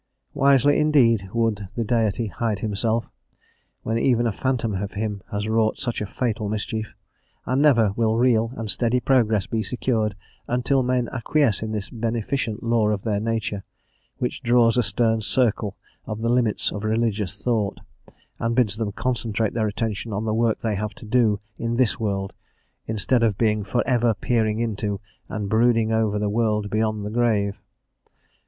Wisely indeed would the Deity hide himself, when even a phantom of him has wrought such fatal mischief; and never will real and steady progress be secured until men acquiesce in this beneficent law of their nature, which draws a stern circle of the "limits of Religious Thought" and bids them concentrate their attention on the work they have to do in this world, instead of being "for ever peering into and brooding over the world beyond the grave."